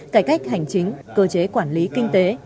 cải cách hành chính cơ chế quản lý kinh tế